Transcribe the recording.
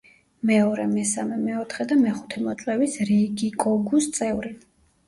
მეორე, მესამე, მეოთხე და მეხუთე მოწვევის რიიგიკოგუს წევრი.